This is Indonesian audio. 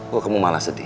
kok kamu malah sedih